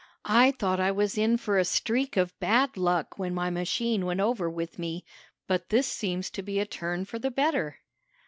I thought I was in for a streak of bad luck when my machine went over with me, but this seems to be a turn for the better."